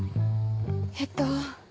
えっと